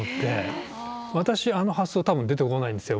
私あの発想多分出てこないんですよ。